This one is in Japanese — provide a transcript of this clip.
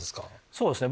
そうですね